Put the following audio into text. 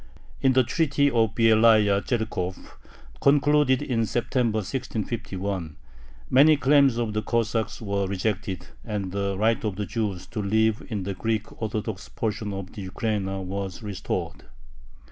In the Treaty of Byelaya Tzerkov, concluded in September, 1651, many claims of the Cossacks were rejected, and the right of the Jews to live in the Greek Orthodox portion of the Ukraina was restored.